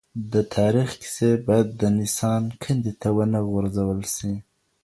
د تاریخ کیسې باید د نسیان کندې ته ونه غورځول سي.